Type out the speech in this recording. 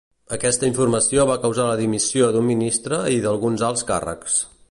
Aquesta informació va causar la dimissió d'un ministre i d'alguns alts càrrecs.